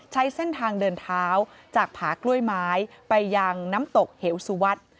ใช้เส้นทางเดินเท้าจากผากล้วยไม้ไปยังน้ำตกเหวสุวัสดิ์